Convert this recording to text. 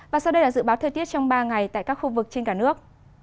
và sau đây là dự báo thời tiết trong ba ngày tại các khu vực trên cả nước